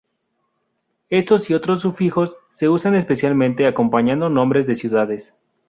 Estos y otros sufijos se usan especialmente acompañando nombres de ciudades.